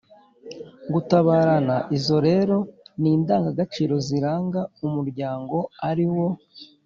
gutabarana. izo rero ni indangagaciro ziranga umuryango ari wo